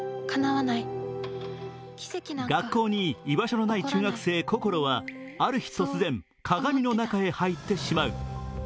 学校に居場所のない中学生・こころは、ある日突然鏡の中へ入ってしまう。